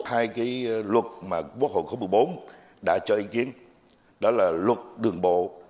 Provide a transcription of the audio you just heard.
hai cái luật mà quốc hội khóa một mươi bốn đã cho ý kiến đó là luật đường bộ